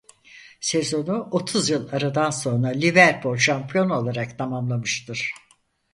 Sezonu otuz yıl aradan sonra Liverpool şampiyon olarak tamamlamıştır.